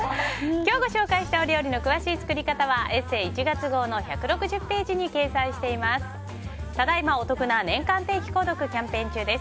今日ご紹介した料理の詳しい作り方は「ＥＳＳＥ」１月号の１６０ページに掲載しています。